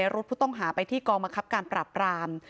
รุดผู้ต้องหาไปที่กองบังคับการปราบราม